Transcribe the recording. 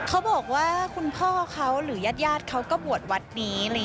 เขาบอกว่าคุณพ่อเขาหรือญาติเขาก็บวชวัดนี้